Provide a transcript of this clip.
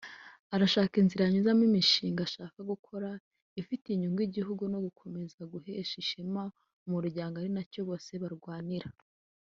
arashaka inzira yanyuzamo imishinga ashaka gukora ifitiye inyugu igihugu no gukomeza guhesha ishema umuryango ari nacyo bose barwanirira